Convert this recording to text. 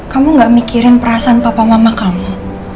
kamu gak mikirin perasaan papa mama kamu